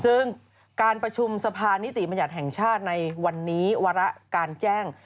ซึ่งการประชุมสภานิติบัญญัติแห่งชาติในวันนี้วาระการแจ้ง